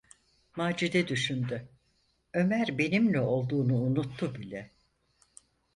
Macide düşündü: "Ömer benimle olduğunu unuttu bile…"